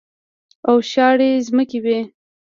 او شاړې ځمکې وې.